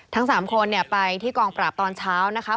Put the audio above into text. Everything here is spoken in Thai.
ทั้งสามคนเนี่ยไปที่กองปราบตอนเช้านะครับ